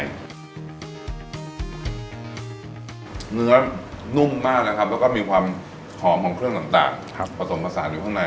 เนื้อนุ่มมากนะครับแล้วก็มีความหอมของเครื่องต่างผสมผสานอยู่ข้างใน